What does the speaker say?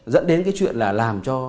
dẫn đến cái chuyện là làm cho